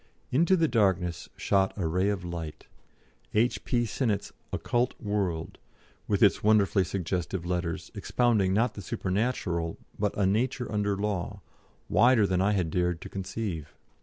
Into the darkness shot a ray of light A.P. Sinnett's "Occult World," with its wonderfully suggestive letters, expounding not the supernatural but a nature under law, wider than I had dared to conceive.